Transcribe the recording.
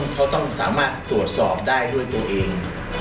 เขาต้องสามารถตรวจสอบได้ด้วยตัวเอง